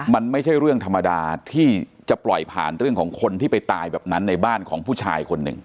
มันไม่ใช่เรื่องธรรมดาที่จะปล่อยผ่านเรื่องของคนที่ไปตายแบบนั้นในบ้านของผู้ชายคนหนึ่ง